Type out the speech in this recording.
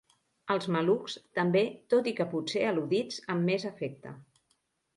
Els malucs, també, tot i que potser al·ludits amb més afecte.